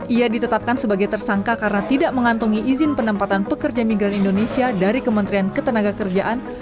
ia ditetapkan sebagai tersangka karena tidak mengantongi izin penempatan pekerja migran indonesia dari kementerian ketenaga kerjaan